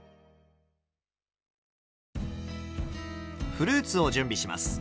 フルーツを準備します。